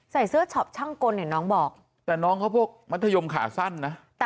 ใส่เสื้อช็อปช่างกลเนี่ยน้องบอกแต่น้องเขาพวกมัธยมขาสั้นนะ